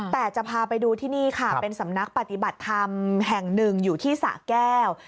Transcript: แต่จะพาไปดูที่นี่ค่ะเป็นสำนักปฏิบัติธรรมแห่งหนึ่งอยู่ที่สะแก้ว